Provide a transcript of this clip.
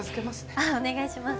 あっお願いします。